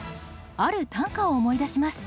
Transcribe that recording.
ある短歌を思い出します。